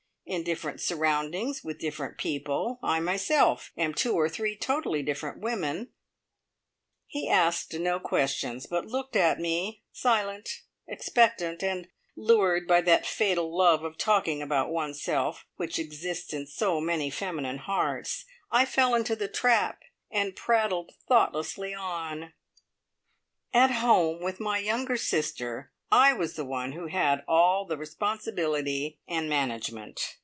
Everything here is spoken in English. In different surroundings, with different people, I myself am two or three totally different women " He asked no questions, but looked at me, silent, expectant, and lured by that fatal love of talking about oneself which exists in so many feminine hearts, I fell into the trap, and prattled thoughtlessly on: "At home with my younger sister, I was the one who had all the responsibility and management.